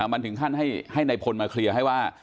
มันถึงขั้นให้นายพลมาเคลียร์ให้ว่า